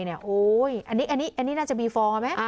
โอ้โหอันนี้น่าจะมีฟอร์ไหม